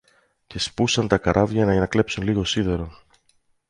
και σπούσαν τα καράβια για να κλέψουν λίγο σίδερο